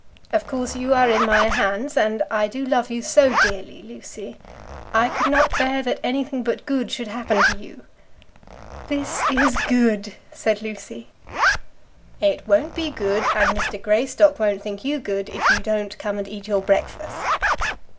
Of course you are in my hands, and I do love you so dearly, Lucy! I could not bear that anything but good should happen to you." "This is good," said Lucy. "It won't be good, and Mr. Greystock won't think you good, if you don't come and eat your breakfast."